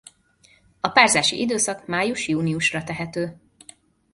A párzási időszak május-júniusra tehető.